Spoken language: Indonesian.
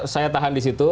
saya tahan di situ